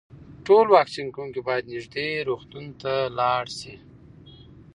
ټول واکسین کوونکي باید نږدې روغتون ته لاړ شي.